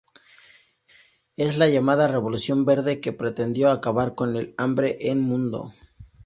Es la llamada revolución verde, que pretendió acabar con el hambre en el mundo.